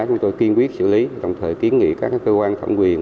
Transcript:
chúng tôi kiên quyết xử lý tổng thể kiến nghị các cơ quan thẩm quyền